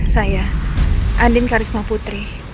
saya andin karisma putri